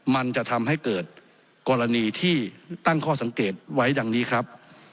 มันจะทำให้เกิดกรณีที่ตั้งข้อสังเกตไว้ดังนี้ครับ